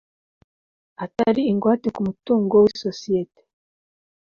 atari ingwate ku mutungo w isosiyete